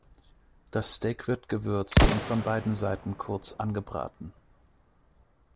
Das Steak wird gewürzt und von beiden Seiten kurz angebraten.